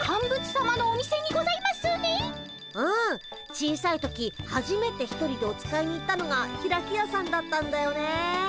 小さい時はじめて一人でお使いに行ったのがひらきやさんだったんだよね。